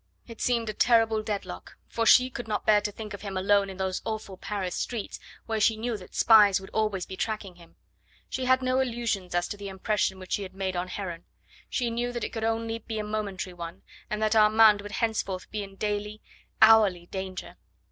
It seemed a terrible deadlock, for she could not bear to think of him alone in those awful Paris streets, where she knew that spies would always be tracking him. She had no illusions as to the impression which she had made on Heron; she knew that it could only be a momentary one, and that Armand would henceforth be in daily, hourly danger.